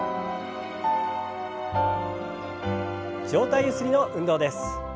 上体ゆすりの運動です。